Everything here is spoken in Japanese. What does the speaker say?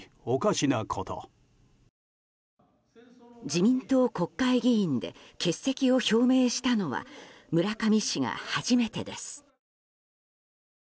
自民党国会議員で欠席を表明したのは村上氏が初めてです。